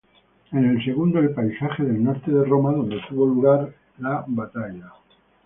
En el segundo, el paisaje del norte de Roma, donde tuvo lugar la batalla.